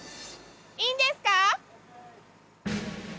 いいんですか？